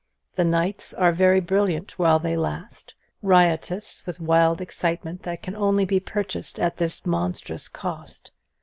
The nights are very brilliant while they last, riotous with a wild excitement that can only be purchased at this monstrous cost.